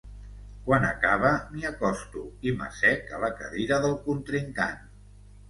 Quan acaba m'hi acosto i m'assec a la cadira del contrincant.